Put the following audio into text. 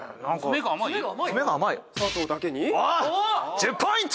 １０ポイント！